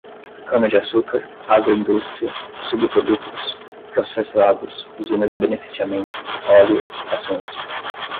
cana-de-açúcar, agroindústria, subprodutos, processados, usinas de beneficiamento, óleo, rações